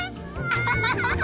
アハハハハ！